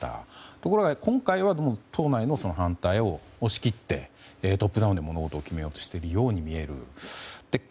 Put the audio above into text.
ところが今回はどうも党内の反対を押し切ってトップダウンで物事を決めようとしているように見える。